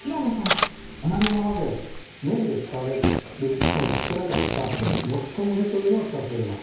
あまり今まで麺で使われる機会が少なかったもち小麦というのを使っております。